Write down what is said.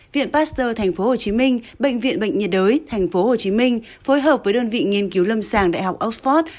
viện pasteur tp hcm bệnh viện bệnh nhiệt đới tp hcm phối hợp với đơn vị nghiên cứu lâm sàng đại học oxford